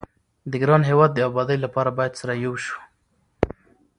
د ګران هيواد دي ابادي لپاره بايد سره يو شو